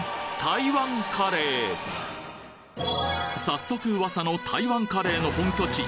早速噂の台湾カレーの本拠地